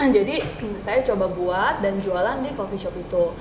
jadi saya coba buat dan jualan di coffee shop itu